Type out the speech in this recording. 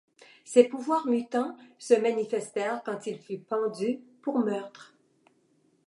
Ces pouvoirs mutants se manifestèrent quand il fut pendu, pour meurtre.